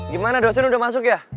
gimana dosen udah masuk ya